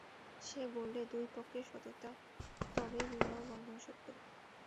সে বললে, দুই পক্ষের সততায় তবেই বিবাহবন্ধন সত্য।